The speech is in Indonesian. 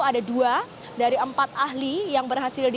ada dua dari empat ahli yang berhasil di